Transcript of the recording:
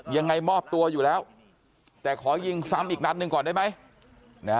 ยังไงมอบตัวอยู่แล้วแต่ขอยิงซ้ำอีกนัดหนึ่งก่อนได้ไหม